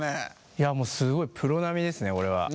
いやもうすごいプロ並みですねこれは。